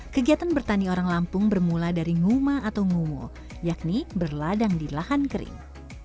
kegiatan bertani orang lampung bermula dari nguma atau ngumo yakni berladang di lahan kering